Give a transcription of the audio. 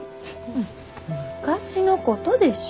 ん昔のことでしょ？